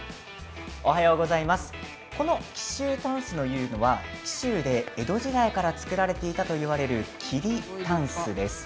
この紀州箪笥というのは紀州で江戸時代から作られていたと言われる桐たんすです。